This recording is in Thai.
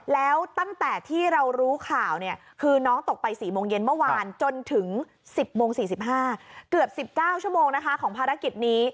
แล้วตั้งแต่ที่เรารู้ข่าวเนี่ยคือน้องตกไป๔โมงเย็นเมื่อวานจนถึง๑๐โมง๔๕เกือบ๑๙ชั่วโมงนะคะของภารกิจนี้